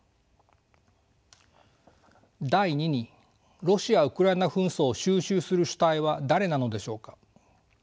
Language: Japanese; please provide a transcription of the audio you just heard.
第２にロシア・ウクライナ紛争を収拾する主体は誰なのでしょうか。